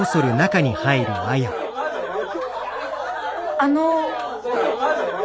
あの。